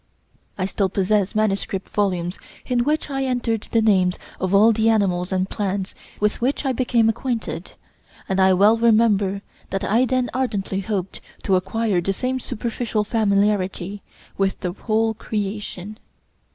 I still possess manuscript volumes in which I entered the names of all the animals and plants with which I became acquainted, and I well remember that I then ardently hoped to acquire the same superficial familiarity with the whole creation.